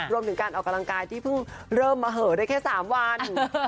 รวมถึงการออกกำลังกายที่เพิ่งเริ่มมาเหอะได้แค่๓วัน